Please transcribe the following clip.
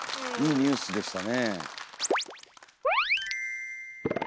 いいニュースでしたね。